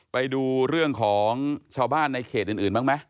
ไปดูเรื่องของชาวบ้านในเขตอื่นบ้างไหม